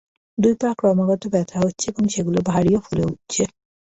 দুই পা ক্রমাগত ব্যথা হচ্ছে এবং সেগুলো ভারী ও ফুলে উঠছে।